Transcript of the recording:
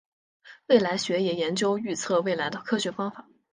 未来学也研究预测未来的科学方法。